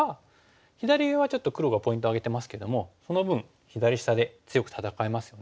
左上はちょっと黒がポイント挙げてますけどもその分左下で強く戦えますよね。